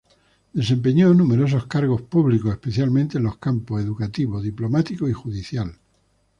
Desempeñó numerosos cargos públicos, especialmente en los campos educativo, diplomático y judicial.